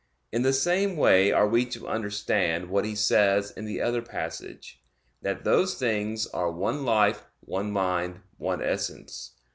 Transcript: In the same way are we to understand what he says in the other passage, that those things are "one life, one mind, one essence."